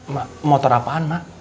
mak motor apaan mak